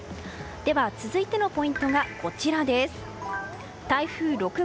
では続いてのポイントがこちら。